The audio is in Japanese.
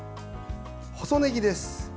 細ねぎです。